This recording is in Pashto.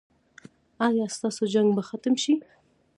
ایا ستاسو جنګ به ختم شي؟